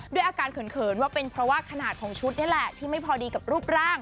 ด้วยอาการเขินว่าเป็นเพราะว่าขนาดของชุดนี่แหละที่ไม่พอดีกับรูปร่าง